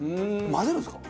混ぜるんですか？